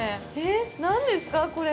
何ですか、これ？